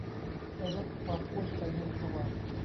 ได้ลดความอ้วนไปในตัว